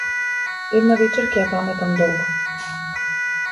Една вечер ќе ја паметам долго.